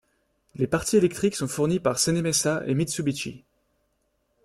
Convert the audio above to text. Les parties électriques sont fournies par Cenemesa et Mitsubishi.